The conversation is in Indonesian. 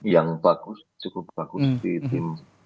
yang bagus cukup bagus di tim